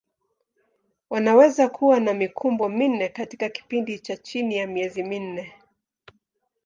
Wanaweza kuwa na mikumbo minne katika kipindi cha chini ya miezi minne.